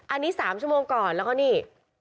อันนี้๓ชั่วโมงก่อนแล้วก็นี่